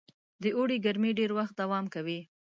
د اوړي ګرمۍ ډېر وخت دوام کوي.